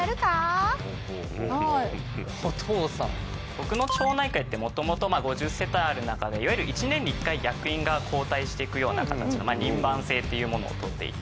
僕の町内会って元々５０世帯ある中でいわゆる一年に１回役員が交代していくような形の輪番制っていうものをとっていて。